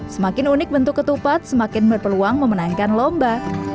semakin unik bentuk ketupat semakin berpeluang memenangkan lomba